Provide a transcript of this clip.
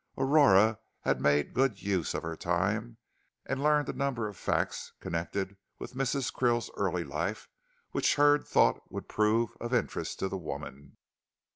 Aurora had made good use of her time and had learned a number of facts connected with Mrs. Krill's early life which Hurd thought would prove of interest to the woman.